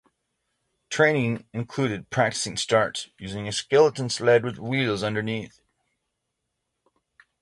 Training included practicing starts using a skeleton sled with wheels underneath.